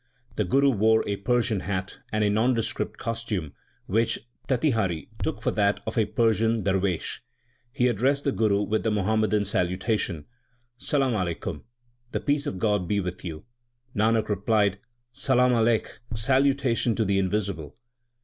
The Guru wore a Persian hat and a nondescript costume, which Tatihari took for that of a Persian darwesh. He addressed the Guru with the Muhammadan salutation, Salam Alaikum (the peace of God be with you). Nanak replied, Salam Alekh (salutation to the Invisible).